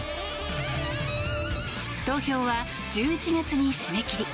投票は１１月に締め切り。